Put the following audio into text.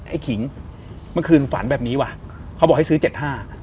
ขิงเมื่อคืนฝันแบบนี้ว่ะเขาบอกให้ซื้อเจ็ดห้า